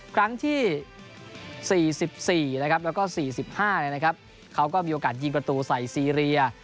ครั้งที่๔๔แล้วก็๔๕เขาก็มีโอกาสยิงประตูใส่ซีเรีย